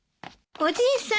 おじいさん